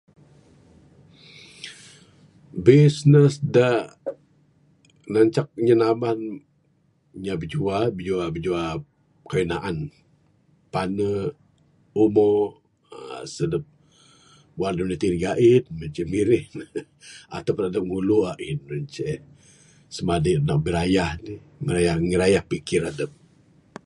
Bisness da nancak nyinaman inya bijua, bijua bijua kayuh naan, panu', umo'k, aa sihup. Wang dup gati'k ga'in, ne ceh birih ne. Adup ra ngulu a'in ne ceh, semadi na birayah, ngirayah, girayah pikir adup.